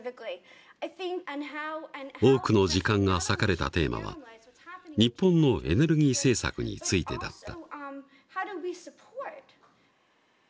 多くの時間が割かれたテーマは日本のエネルギー政策についてだった。